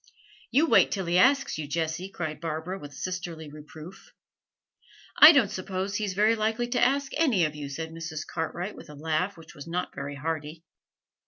'You wait till he asks you, Jessie,' cried Barbara, with sisterly reproof. 'I don't suppose he's very likely to ask any of you,' said Mrs. Cartwright, with a laugh which was not very hearty.